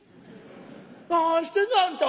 何してんのあんた。